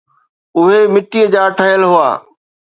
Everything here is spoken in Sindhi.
اهي مٽيءَ جا ٺهيل هئا.